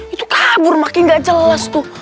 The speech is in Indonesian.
itu kabur makin gak jelas tuh